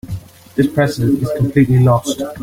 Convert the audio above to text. This president is completely lost.